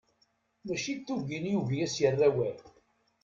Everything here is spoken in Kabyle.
Mačči d tugin i yugi ad as-yerrawal.